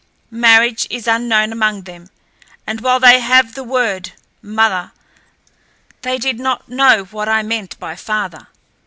Marriage is unknown among them, and while they have the word, mother, they did not know what I meant by "father."